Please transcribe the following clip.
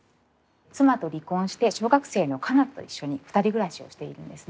妻と離婚して小学生の夏菜と一緒に２人暮らしをしているんですね。